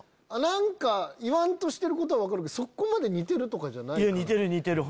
何か言わんとしてることは分かるけどそこまで似てるとかじゃないから。